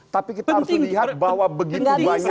tapi kita harus melihat bahwa begitu banyak